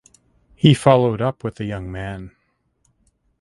He followed up with the young man.